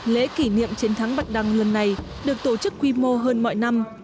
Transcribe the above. lễ kỷ niệm chiến thắng bạch đăng lần này được tổ chức quy mô hơn mọi năm